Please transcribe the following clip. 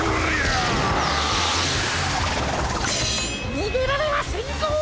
にげられはせんぞ！